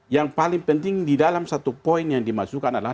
yang paling penting di dalam satu poin yang dimasukkan adalah